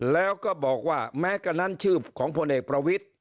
แล้วก็บอกว่าแม้กระนั้นชื่อของพลเอกประวิทธิ